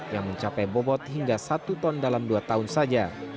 yang mencapai bobot hingga satu ton dalam dua tahun saja